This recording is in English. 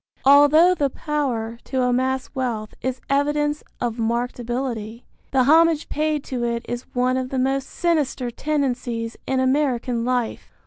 Although the power to amass wealth is evidence of marked ability, the homage paid to it is one of the most sinister tendencies in American life.